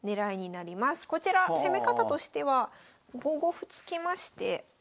こちら攻め方としては５五歩突きまして。